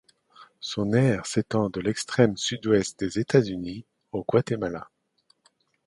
Son aire s'étend de l'extrême sud-ouest des États-Unis au Guatemala.